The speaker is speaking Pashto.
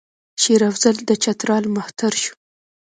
شېر افضل د چترال مهتر شو.